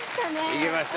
行けました。